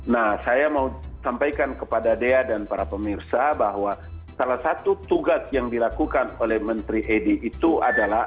nah saya mau sampaikan kepada dea dan para pemirsa bahwa salah satu tugas yang dilakukan oleh menteri edi itu adalah